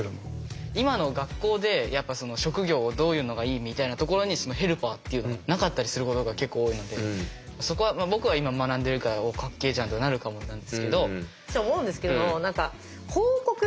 今の学校でやっぱ職業をどういうのがいいみたいなところにヘルパーっていうのがなかったりすることが結構多いのでそこは僕は今学んでいるからおっかっけえじゃんとかなるかもなんですけど。